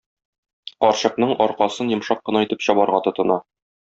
Карчыкның аркасын йомшак кына итеп чабарга тотына.